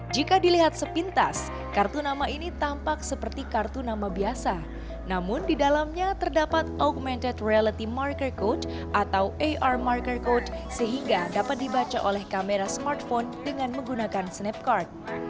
jika dilihat sepintas kartu nama ini tampak seperti kartu nama biasa namun di dalamnya terdapat augmented reality marker code atau ar marker code sehingga dapat dibaca oleh kamera smartphone dengan menggunakan snapcard